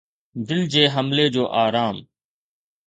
دل جي حملي جو آرام